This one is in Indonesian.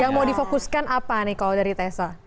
yang mau difokuskan apa nih kalau dari tessa